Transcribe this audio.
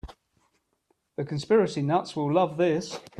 The conspiracy nuts will love this.